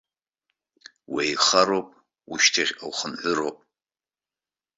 Уеихароуп, ушьҭахьҟа ухынҳәыроуп!